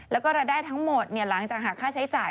แล้วก็รายได้ทั้งหมดหลังจากหาค่าใช้จ่าย